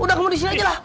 udah kamu di sini aja lah